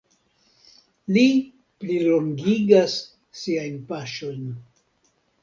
Li plilongigas siajn paŝojn.